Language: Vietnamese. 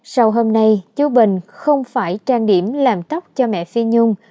sau hôm nay chú bình không phải trang điểm làm tóc cho mẹ phi nhung